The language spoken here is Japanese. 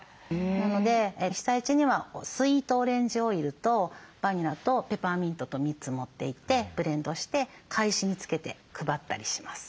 なので被災地にはスイートオレンジオイルとバニラとペパーミントと３つ持っていってブレンドして懐紙に付けて配ったりします。